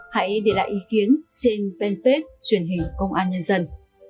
hãy để lại ý kiến trên fanpage truyền hình công an nhân dân